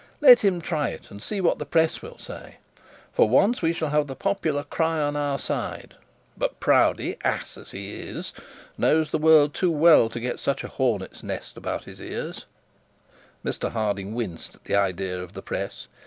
Let him try it, and see what the press will say. For once we shall have the popular cry on our side. But Proudie, ass as he is, knows the world too well to get such a hornet's nest about his ears.' Mr Harding winced at the idea of the press.